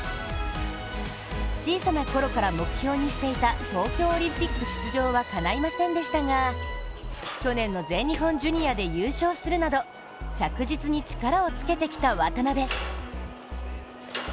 小さなころから目標にしていた東京オリンピック出場はかないませんでしたが去年の全日本ジュニアで優勝するなど着実に力をつけてきた渡部。